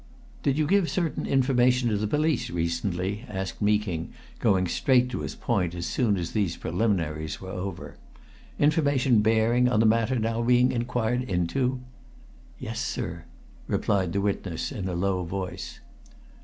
"Did you give certain information to the police recently?" inquired Meeking, going straight to his point as soon as these preliminaries were over. "Information bearing on the matter now being inquired into?" "Yes, sir," replied the witness in a low voice.